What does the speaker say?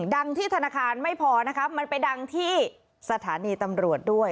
ดังที่ธนาคารไม่พอนะคะมันไปดังที่สถานีตำรวจด้วย